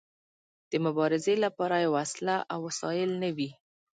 د مبارزې لپاره يې وسله او وسايل نه وي.